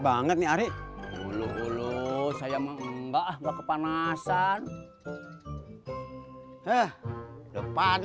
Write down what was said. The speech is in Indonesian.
banget nih ari dulu dulu saya menggak kepanasan eh depan